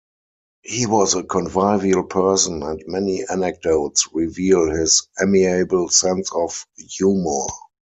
He was a convivial person, and many anecdotes reveal his amiable sense of humour.